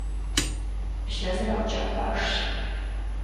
Блэ зэраукӀа башщ.